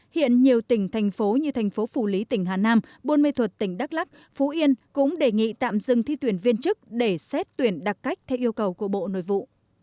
hiện nhiều tỉnh thành phố như thành phố phủ lý tỉnh hà nam bôn mê thuật tỉnh đắk lắc phú yên cũng đề nghị tạm dừng thi tuyển viên chức để xét tuyển đặc cách theo yêu cầu của bộ nội vụ